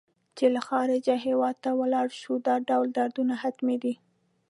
چې له خارجه هېواد ته ولاړ شو دا ډول دردونه حتمي دي.